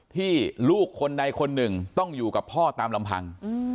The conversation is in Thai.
ที่ลูกคนใดคนหนึ่งต้องอยู่กับพ่อตามลำพัง